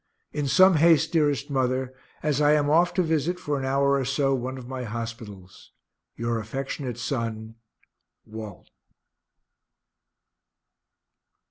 In some haste, dearest mother, as I am off to visit for an hour or so, one of my hospitals. Your affectionate son, WALT.